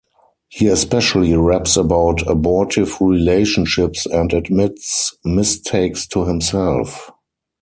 He especially raps about abortive relationships and admits mistakes to himself.